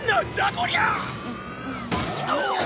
こりゃあ！